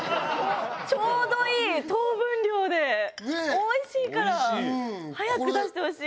ちょうどいい糖分量でおいしいから早く出してほしい。